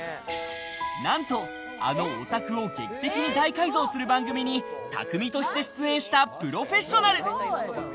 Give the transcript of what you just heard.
何と、あのお宅を劇的に大改造する番組に、匠として出演したプロフェッショナル。